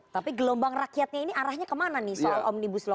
tapi gelombang rakyatnya ini arahnya kemana nih soal omnibus law